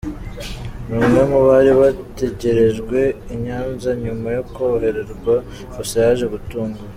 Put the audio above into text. numwe mu bari bategerejwe I Nyanza nyuma yo koroherwa gusa yaje gutuungura.